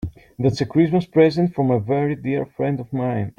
That's a Christmas present from a very dear friend of mine.